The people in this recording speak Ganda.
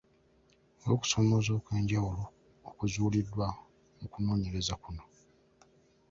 Olw’okusomooza okw’enjawulo okuzuuliddwa mu kunoonyereza kuno.